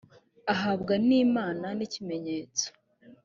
ahabwa n imana n ikimenyetso